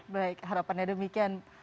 baik harapannya demikian